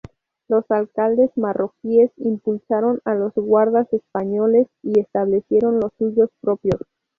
Los alcaldes marroquíes expulsaron a los guardas españoles y establecieron los suyos propios.